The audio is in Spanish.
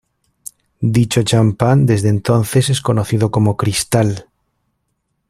Dicho champán, desde entonces, es conocido como "Cristal".